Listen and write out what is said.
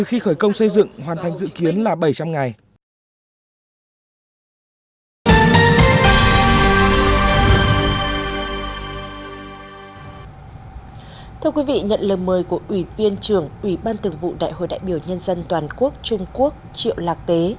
thưa quý vị nhận lời mời của ủy viên trưởng ủy ban tường vụ đại hội đại biểu nhân dân toàn quốc trung quốc triệu lạc tế